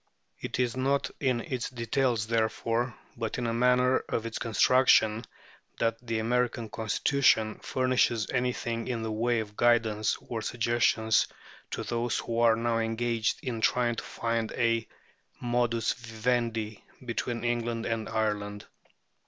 It is not in its details, therefore, but in the manner of its construction, that the American Constitution furnishes anything in the way of guidance or suggestion to those who are now engaged in trying to find a modus vivendi between England and Ireland.